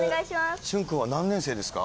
駿君は何年生ですか。